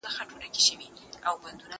دا انځورونه له هغه ښايسته دي!!